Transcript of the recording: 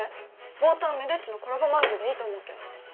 冒頭はめでっちのコラボまんじゅうでいいと思うけど。